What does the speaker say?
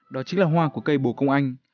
đó chính là hoa của cây bồ công anh